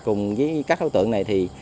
cùng với các đối tượng này